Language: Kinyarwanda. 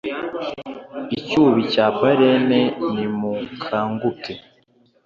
icyubi cya balene nimukanguke